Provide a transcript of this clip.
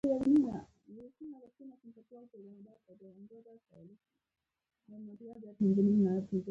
گنبده همدومره پراخه هم وه.